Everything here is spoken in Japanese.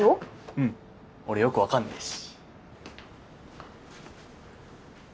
うん俺よくわかんねえし。